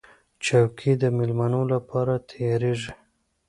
چوکۍ د مېلمنو لپاره تیارېږي.